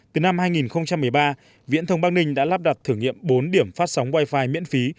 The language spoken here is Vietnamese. từ năm hai nghìn một mươi ba viễn thông bắc ninh đã lắp đặt thử nghiệm bốn điểm phát sóng wifi miễn phí